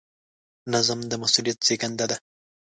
نظم د مسؤلیت زېږنده دی.